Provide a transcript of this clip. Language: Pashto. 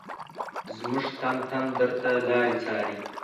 زمونږ تن تن درته لاري څاري